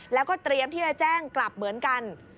แล้วก็เตรียมที่จะแจ้งกลับเหมือนกัน